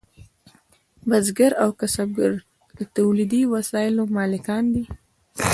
بزګر او کسبګر د تولیدي وسایلو مالکان دي.